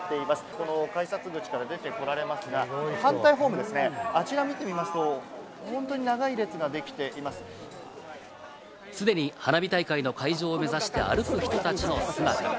この改札口から出てこられますが、反対ホームですね、あちら見てみますと、本当に長い列ができていすでに花火大会の会場を目指して歩く人たちの姿。